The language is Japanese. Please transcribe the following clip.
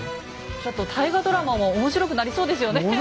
ちょっと大河ドラマも面白くなりそうですよね。